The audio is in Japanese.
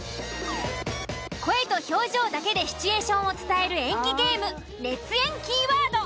声と表情だけでシチュエーションを伝える演技ゲーム熱演キーワード。